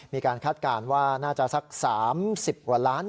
คาดการณ์ว่าน่าจะสัก๓๐กว่าล้าน